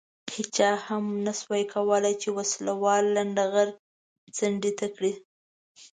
هېچا هم نه شوای کولای چې وسله وال لنډه غر څنډې ته کړي.